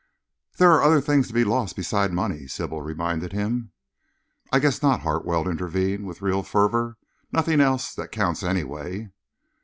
"There are other things to be lost besides money," Sybil reminded him. "I guess not," Hartwell intervened, with real fervour, "nothing else that counts, anyway."